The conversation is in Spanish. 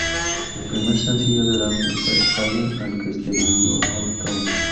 El primer sencillo del álbum fue "Radio", al que le siguió "Old Town".